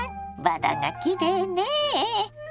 バラがきれいねえ。